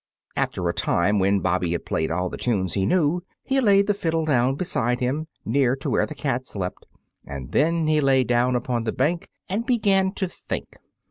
After a time, when Bobby had played all the tunes he knew, he laid the fiddle down beside him, near to where the cat slept, and then he lay down upon the bank and began to think.